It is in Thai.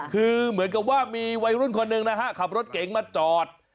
คือเหมือนกับว่ามีวัยรุ่นคนหนึ่งนะฮะขับรถเก๋งมาจอด